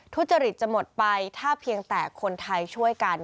ทุจริตจะหมดไปถ้าเพียงแต่คนไทยช่วยกัน